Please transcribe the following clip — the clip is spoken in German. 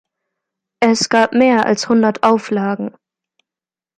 Es gab mehr als hundert Auflagen.